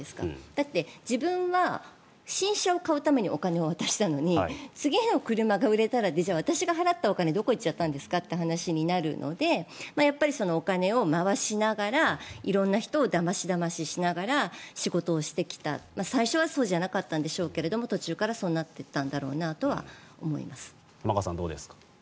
だって、自分は新車を買うためにお金を渡したのに次の車が売れたらじゃあ私が払ったお金はどこへ行っちゃったんですかという話になるのでやっぱりお金を回しながら色んな人をだましだまししながら仕事をしてきた最初はそうじゃなかったんでしょうけど途中からそうなっていったんだろうなとは思います。